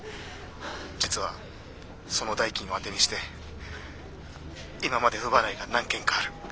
実はその代金を当てにして今まで不払いが何件かある。